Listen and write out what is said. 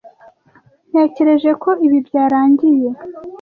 Natekereje ko ibi byarangiye.